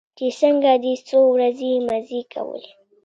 چې څنگه دې څو ورځې مزې کولې.